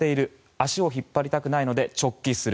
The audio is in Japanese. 足を引っ張りたくないので直帰する。